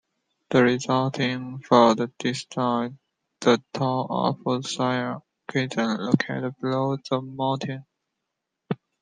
The resulting flood destroyed the town of Sariaya, Quezon located below the mountain.